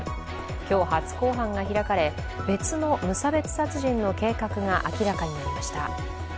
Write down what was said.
今日、初公判が開かれ、別の無差別殺人の計画が明らかになりました。